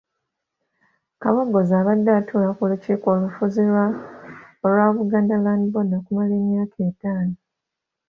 Kabogoza abadde atuula ku lukiiko olufuzi olwa Buganda Land Board okumala emyaka etaano.